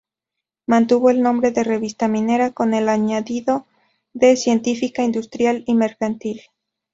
Mantuvo el nombre de "Revista Minera," con el añadido de "científica, industrial y mercantil"..